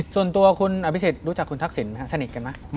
ส่วนตัวคุณอาพิสิทธิ์รู้จักคุณทักศิลป์ไหมครับสนิทกันไหม